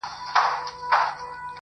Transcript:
اوس به څوك تسليموي اصفهانونه-